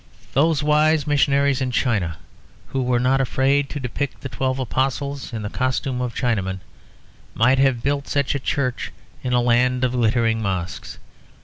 Those wise missionaries in China who were not afraid to depict the Twelve Apostles in the costume of Chinamen might have built such a church in a land of glittering mosques.